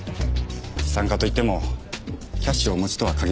資産家といってもキャッシュをお持ちとは限りませんので。